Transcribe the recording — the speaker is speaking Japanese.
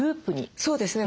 そうですね。